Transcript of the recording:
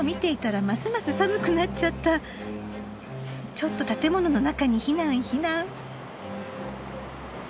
ちょっと建物の中に避難避難。